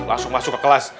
langsung masuk ke kelas